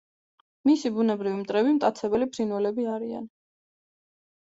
მისი ბუნებრივი მტრები მტაცებელი ფრინველები არიან.